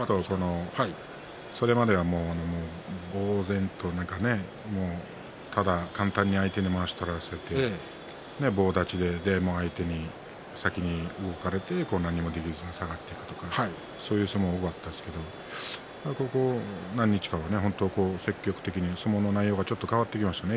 それまでは、ぼう然とただ簡単に相手にまわしを取らせて棒立ちで、相手に先に動かれて何もできずに下がっていくとかそういう相撲が多かったですけどもここ何日かは積極的に相撲の内容がちょっと変わってきましたね。